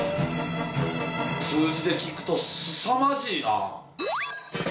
数字で聞くとすさまじいな。